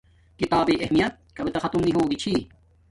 کتابݵ اہمیت کابے تا ختم نی ہوگی چھی